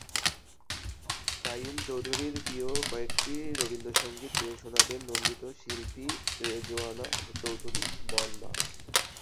কাইয়ুম চৌধুরীর প্রিয় কয়েকটি রবীন্দ্রসংগীত গেয়ে শোনাবেন নন্দিত শিল্পী রেজওয়ানা চৌধুরী বন্যা।